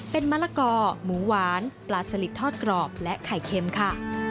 เป็นมะละกอหมูหวานปลาสลิดทอดกรอบและไข่เค็มค่ะ